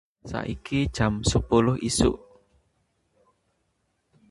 Saiki jam sepuluh isuk